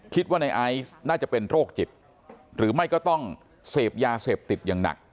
คิดว่าในไอซ์น่าจะเป็นโรคจิตหรือไม่ก็ต้องเสพยาเสพติดอย่างหนัก